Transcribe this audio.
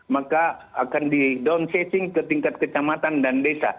maka akan di downsizing ke tingkat kecamatan dan desa